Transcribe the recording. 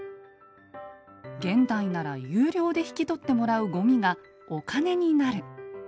現代なら有料で引き取ってもらうごみがお金になる。